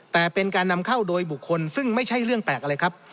แต่เป็นการนำเข้าโดยบุคคลซึ่งไม่ใช่เรื่องแปลกอะไรครับ